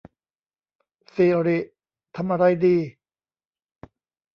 สิริ ทำอะไรดี